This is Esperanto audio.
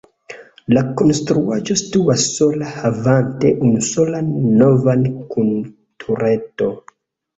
La konstruaĵo situas sola havanta unusolan navon kun tureto.